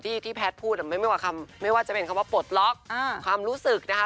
ที่แพทย์พูดไม่ว่าจะเป็นคำว่าปลดล็อกความรู้สึกนะคะ